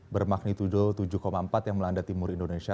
bermagnitudo tujuh empat yang melanda timur indonesia